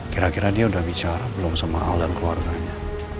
kira kira dia udah bicara belum sama alat keluarganya